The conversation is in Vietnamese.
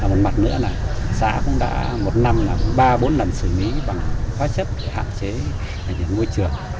một mặt nữa là xã cũng đã một năm là ba bốn lần xử lý bằng khóa chất hạm chế hành vi nguôi trường